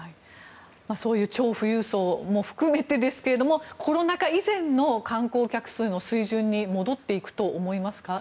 そういう超富裕層も含めてですがコロナ禍以前の観光客数の水準に戻っていくと思いますか？